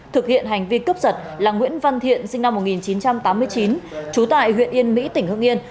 thực hiện hành vi cướp giật là nguyễn văn thiện sinh năm một nghìn chín trăm tám mươi chín trú tại huyện yên mỹ tỉnh hương yên